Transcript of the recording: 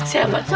siapa siapa itu